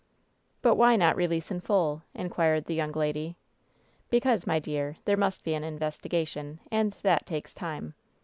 "But why not release in full?" inquired the young lady. "Because, my dear, there must be an investigation. And that takes time.